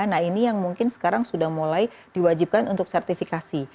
nah ini yang mungkin sekarang sudah mulai diwajibkan untuk sertifikasi